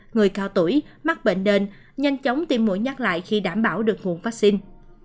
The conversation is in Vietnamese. người cao tuổi mắc bệnh nền nhanh chóng tiêm mũi nhắc lại khi đảm bảo được nguồn vaccine